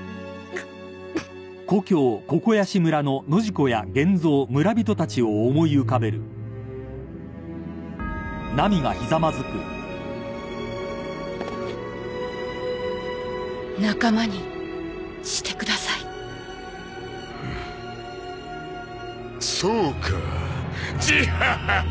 くっ仲間にしてくださいそうかァジハハハ！